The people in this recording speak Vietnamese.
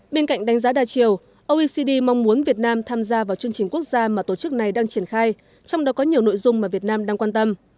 bên cạnh đánh giá đa chiều oecd mong muốn việt nam tham gia vào chương trình quốc gia mà tổ chức này đang triển khai trong đó có nhiều nội dung mà việt nam đang quan tâm